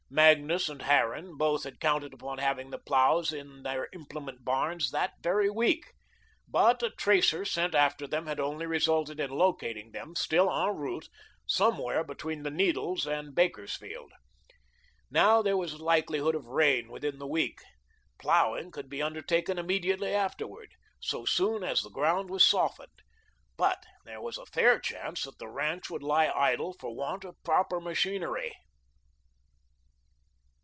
Magnus and Harran both had counted upon having the ploughs in their implement barns that very week, but a tracer sent after them had only resulted in locating them, still en route, somewhere between The Needles and Bakersfield. Now there was likelihood of rain within the week. Ploughing could be undertaken immediately afterward, so soon as the ground was softened, but there was a fair chance that the ranch would lie idle for want of proper machinery.